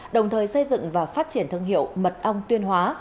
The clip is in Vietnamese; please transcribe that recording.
đồng thời xây dựng và phát triển thương hiệu mật ong tuyên hóa